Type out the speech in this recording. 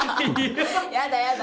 やだやだ